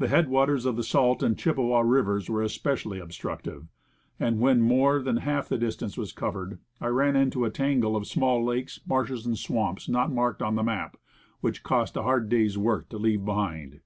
The headwaters of the Salt and Chippewa Incidents. 1 2 1 rivers were especially obstructive; and, when more than half the distance was covered, I ran into a tangle of small lakes, marshes and swamps, not marked on the map, which cost a hard day's work to leave behind.